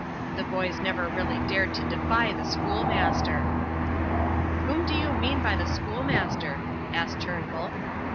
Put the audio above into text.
The boys never really dared to defy the schoolmaster." "Whom do you mean by the schoolmaster?" asked Turnbull.